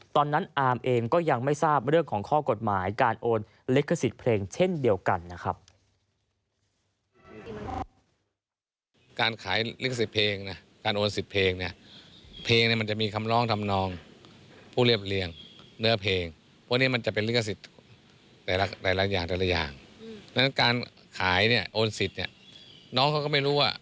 อาร์มเองก็ยังไม่ทราบเรื่องของข้อกฎหมายการโอนลิขสิทธิ์เพลงเช่นเดียวกันนะครับ